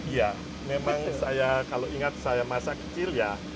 iya memang kalau ingat saya masa kecil ya